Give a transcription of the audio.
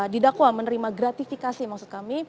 didakwa menerima gratifikasi maksud kami